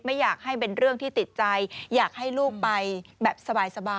ไม่อยากให้เป็นเรื่องที่ติดใจอยากให้ลูกไปแบบสบาย